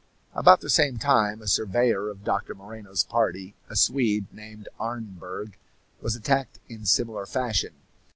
About the same time a surveyor of Doctor Moreno's party, a Swede named Arneberg, was attacked in similar fashion.